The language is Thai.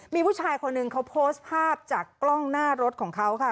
มีผู้ชายคนหนึ่งเขาโพสต์ภาพจากกล้องหน้ารถของเขาค่ะ